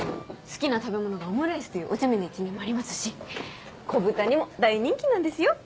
好きな食べ物がオムライスというおちゃめな一面もありますし子ブタにも大人気なんですよ。